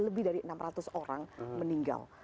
lebih dari enam ratus orang meninggal